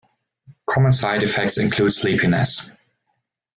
Common side effects include sleepiness.